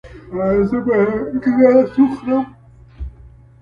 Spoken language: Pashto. ایا زه باید ګیلاس وخورم؟